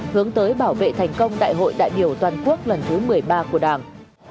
hướng tới bảo vệ thành công đại hội đại biểu toàn quốc lần thứ một mươi ba của đảng